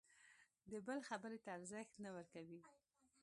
د بل خبرې ته ارزښت نه ورکوي.